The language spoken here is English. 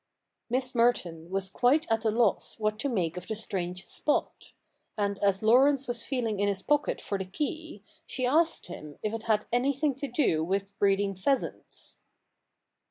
Miss Merton was quite at a loss what to make of the strange spot ; and, as Laurence was feehng in his pocket for the key, she asked him if it had anything to do with breeding pheasants.